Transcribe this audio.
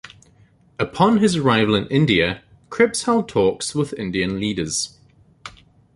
Upon his arrival in India, Cripps held talks with Indian leaders.